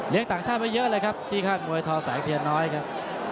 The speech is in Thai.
เลี้ยงต่างชาติมาเยอะเลยครับที่ค่านมวยทอสังเทียนน้อยครับ